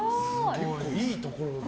結構、いいところ。